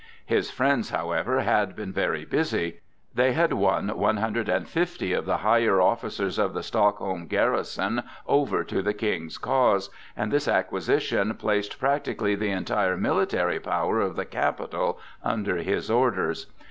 His friends, however, had been very busy. They had won one hundred and fifty of the higher officers of the Stockholm garrison over to the King's cause, and this acquisition placed practically the entire military power of the capital under his orders.